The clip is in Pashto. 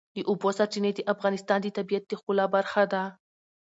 د اوبو سرچینې د افغانستان د طبیعت د ښکلا برخه ده.